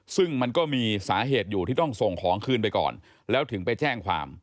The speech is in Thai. ซึ่งมันก็มีสาเหตุอยู่ที่ต้องส่งของคืนไปก่อนแล้วถึงไปแจ้งความ